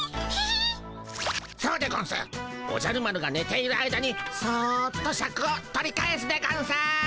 おじゃる丸がねている間にそっとシャクを取り返すでゴンス。